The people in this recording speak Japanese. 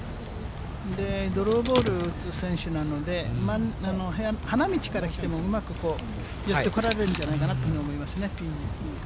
ドローボール打つ選手なので、花道からきても、うまく寄ってこられるんじゃないかなと思いますね、ピンに。